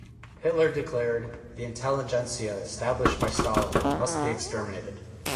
Hitler declared: The intelligentsia established by Stalin must be exterminated.